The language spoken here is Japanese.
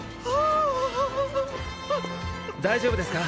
大丈夫ですか？